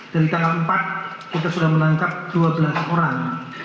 dari tanggal empat kita sudah menangkap dua belas orang